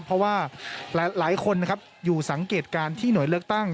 เพราะว่าหลายคนนะครับอยู่สังเกตการณ์ที่หน่วยเลือกตั้ง